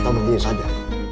atau begini saja